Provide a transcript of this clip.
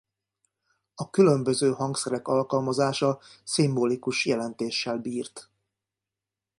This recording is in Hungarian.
A különböző hangszerek alkalmazása szimbolikus jelentéssel bírt.